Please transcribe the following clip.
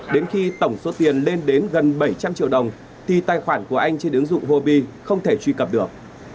đến khi tổng số tiền lên đến gần bảy trăm linh triệu đồng thì tài khoản của anh trên ứng dụng hobby không thể truy cập được